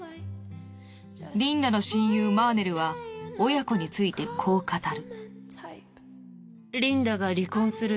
リンダの親友マーネルは親子についてこう語る。